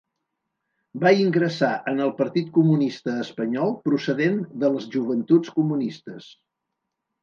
Va ingressar en el Partit Comunista Espanyol procedent de les Joventuts Comunistes.